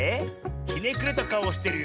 ひねくれたかおをしてるよ。